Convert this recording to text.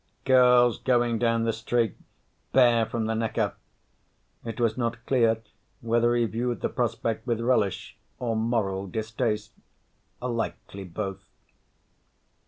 "Girls going down the street bare from the neck up." It was not clear whether he viewed the prospect with relish or moral distaste. Likely both.